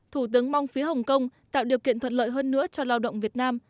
thủ tướng mong phía hồng kông tạo điều kiện thuận lợi hơn nữa cho lao động việt nam